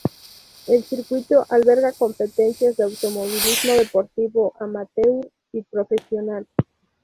El circuito alberga competencias de automovilismo deportivo amateur y profesional.